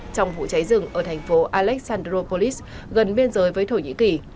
trong vụ cháy rừng ở thành phố alexandropolis gần biên giới với thổ nhĩ kỳ